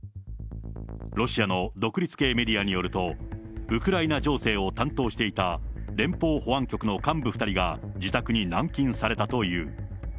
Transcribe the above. ロシアの独立系メディアによると、ウクライナ情勢を担当していた連邦保安局の幹部２人が自宅に軟禁されたという。